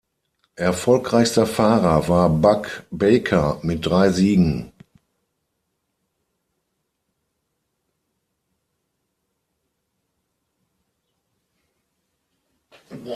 Erfolgreichster Fahrer war Buck Baker mit drei Siegen.